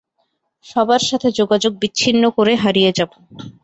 সবার সাথে যোগাযোগ বিচ্ছিন্ন করে হারিয়ে যাবো।